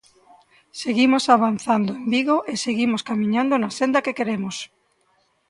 Seguimos avanzando en Vigo e seguimos camiñando na senda que queremos.